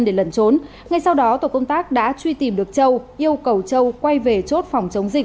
để lẩn trốn ngay sau đó tổ công tác đã truy tìm được châu yêu cầu châu quay về chốt phòng chống dịch